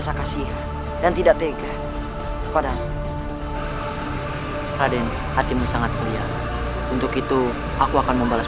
sampai jumpa di video selanjutnya